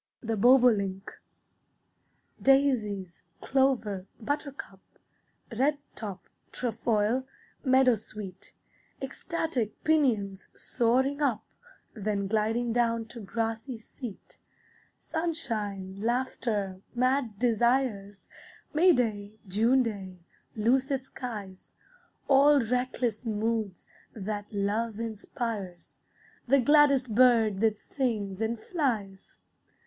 THE BOBOLINK Daisies, clover, buttercup, Redtop, trefoil, meadowsweet, Ecstatic pinions, soaring up, Then gliding down to grassy seat. Sunshine, laughter, mad desires, May day, June day, lucid skies, All reckless moods that love inspires The gladdest bird that sings and flies.